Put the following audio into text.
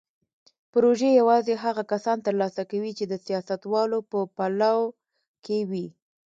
پروژې یوازې هغه کسان ترلاسه کوي چې د سیاستوالو په پلو کې وي.